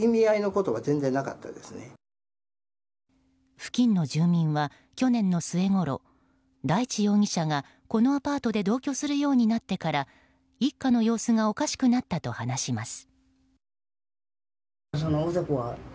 付近の住民は、去年の末ごろ大地容疑者がこのアパートで同居するようになってから一家の様子がおかしくなったと話します。